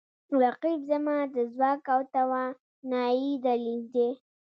رقیب زما د ځواک او توانایي دلیل دی